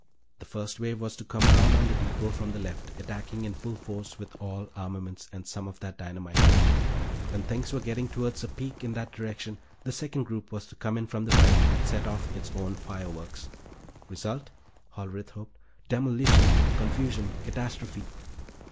The first wave was to come around on the depot from the left, attacking in full force with all armaments and some of that dynamite. When things were getting toward a peak in that direction, the second force was to come in from the right and set off its own fireworks. Result (Hollerith hoped): demolition, confusion, catastrophe.